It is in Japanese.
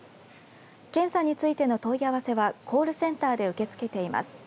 検査についての問い合わせはコールセンターで受け付けています。